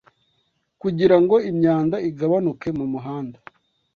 kugirango imyanda igabanuke mumuhanda